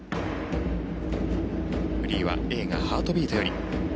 フリーは映画「ハートビート」より。